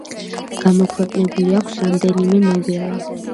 გამოქვეყნებული აქვს რამდენიმე ნოველა.